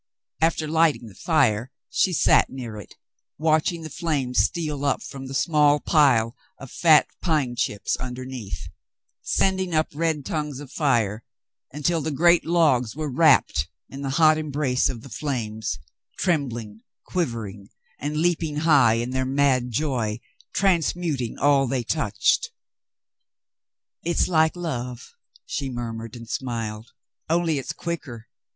After lighting the fire, she sat near it, watching the flames steal up from the small pile of fat pine chips under neath, sending up red tongues of fire, until the great logs were wrapped in the hot embrace of the flames, trembling, quivering, and leaping high in their mad joy, transmuting all they touched. "It's like love," she murmured, and smiled. "Only it's quicker.